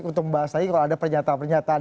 untuk membahas lagi kalau ada pernyataan pernyataan